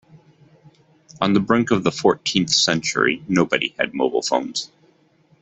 On the brink of the fourteenth century, nobody had mobile phones.